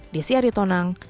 desi arie tonang